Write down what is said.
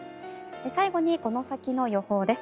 最後にこの先の予報です。